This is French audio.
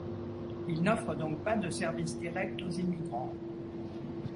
Ils n'offrent donc pas de service direct aux immigrants.